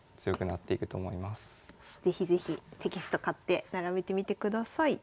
是非是非テキスト買って並べてみてください。